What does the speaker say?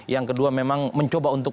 yang kedua memang mencoba untuk